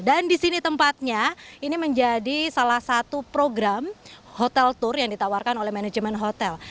dan disini tempatnya ini menjadi salah satu program hotel tour yang ditawarkan oleh manajemen hotel